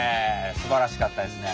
すばらしかったですね。